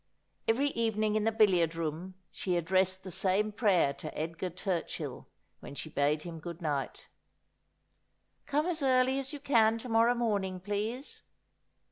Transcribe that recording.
Every evening in the billiard room she addressed the same prayer to Edgar Turchill, when she bade him good night :' Come as early as you can to morrow morning, please.'